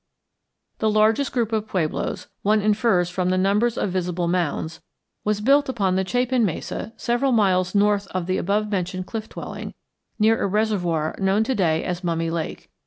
The largest group of pueblos, one infers from the number of visible mounds, was built upon the Chapin Mesa several miles north of the above mentioned cliff dwelling near a reservoir known to day as Mummy Lake.